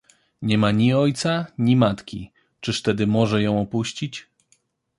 Nie ma ni ojca, ni matki, czyż tedy może ją opuścić?